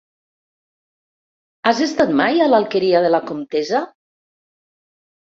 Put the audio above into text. Has estat mai a l'Alqueria de la Comtessa?